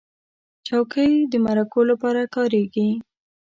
چوکۍ د مرکو لپاره کارېږي.